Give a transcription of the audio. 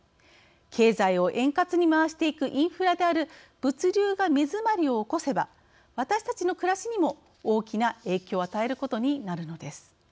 経済を円滑に回していくインフラである物流が目詰まりを起こせば私たちの暮らしにも大きな影響を与えることになるのです。